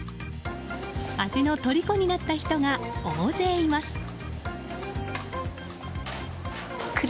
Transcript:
味のとりこになった人が大勢います。